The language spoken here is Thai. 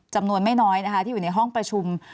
จำนวนไม่น้อยนะคะที่อยู่ในห้องประชุม